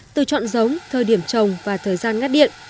từ chọn giống thời điểm trồng và thời gian ngắt điện